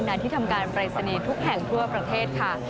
นัดที่ทำการปริศนิทุกแห่งทั่วประเทศค่ะ